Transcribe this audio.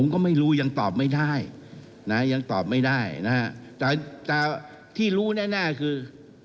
ก็ยังตอบไม่ได้นะฮะแต่ที่รู้แน่คือ